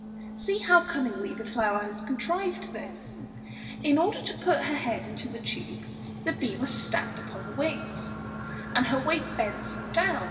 See how cunningly the flower has contrived this. In order to put her head into the tube the bee must stand upon the wings, and her weight bends them down.